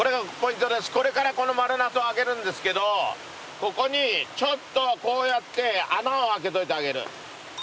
これからこの丸ナスを揚げるんですけどここにちょっとこうやって穴を開けておいてあげる。